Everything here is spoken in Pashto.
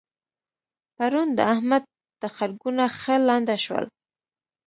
پرون د احمد تخرګونه ښه لانده شول.